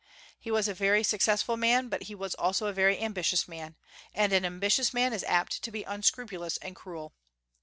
He was a very successful man, but he was also a very ambitious man; and an ambitious man is apt to be unscrupulous and cruel.